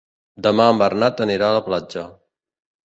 Demà en Bernat anirà a la platja.